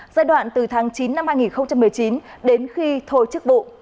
giai đoạn từ tháng chín năm hai nghìn một mươi chín đến khi thôi chức bộ